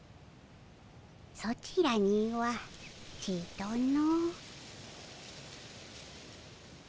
ソチらにはちとの。